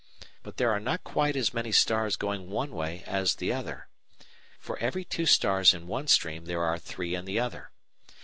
But there are not quite as many stars going one way as the other. For every two stars in one stream there are three in the other.